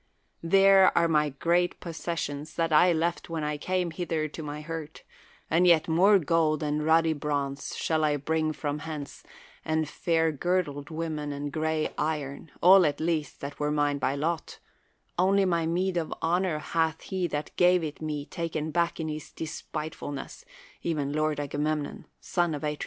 There are my great posses sions that I left Avhcn I came hither to my hurt; and yet more gold and ruddy bronze shall I bring fi'om hence, and fair girdled women and gray ii on, all at least that were mine by lot; only my meed of honor hath he that gave it me taken back in his despitefulness, even Lord Aga memnon, son of Atreus.